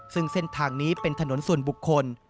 ซึ่งเส้นทางนี้เป็นถนนส่วนบุคคล